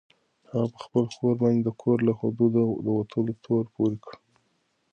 هغه په خپله خور باندې د کور له حدودو د وتلو تور پورې کړ.